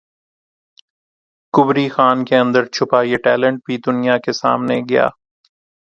کبری خان کے اندر چھپا یہ ٹیلنٹ بھی دنیا کے سامنے گیا